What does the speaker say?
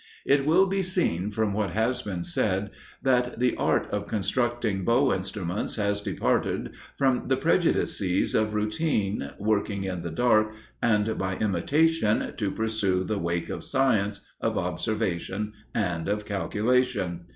It will be seen, from what has been said, that the art of constructing bow instruments has departed from the prejudices of routine, working in the dark, and by imitation, to pursue the wake of science, of observation, and of calculation.